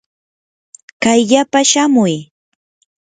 kayllapa shamuy.